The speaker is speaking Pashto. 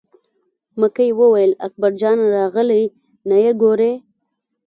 مکۍ وویل: اکبر جان راغلی نه یې ګورې.